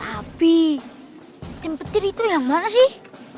tapi tim petir itu yang mana sih